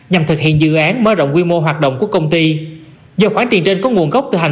hãy đăng ký kênh để nhận thông tin nhất